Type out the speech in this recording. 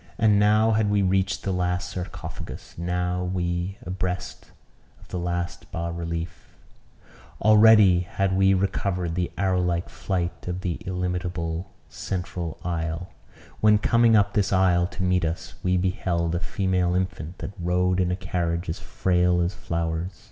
And now had we reached the last sarcophagus, now were we abreast of the last bas relief, already had we recovered the arrow like flight of the illimitable central aisle, when coming up this aisle to meet us we beheld a female infant that rode in a carriage as frail as flowers.